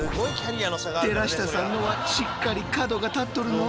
寺下さんのはしっかり角が立っとるのう。